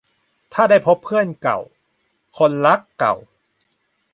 ถ้าได้พบเพื่อนเก่า คนรักเก่า